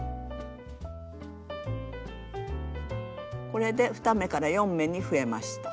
これで２目から４目に増えました。